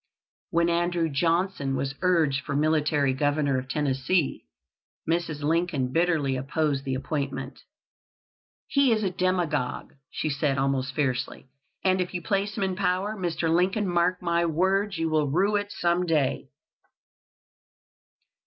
When Andrew Johnson was urged for military Governor of Tennessee, Mrs. Lincoln bitterly opposed the appointment. "He is a demagogue," she said, almost fiercely, "and if you place him in power, Mr. Lincoln, mark my words, you will rue it some day."